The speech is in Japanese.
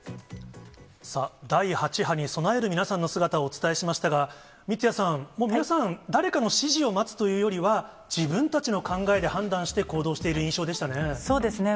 第８波に備える皆さんの姿をお伝えしましたが、三屋さん、もう皆さん、誰かの指示を待つというよりは、自分たちの考えで判断して行動しそうですね。